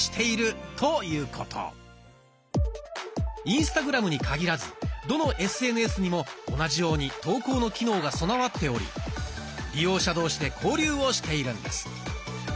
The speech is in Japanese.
インスタグラムに限らずどのＳＮＳにも同じように投稿の機能が備わっており利用者同士で交流をしているんです。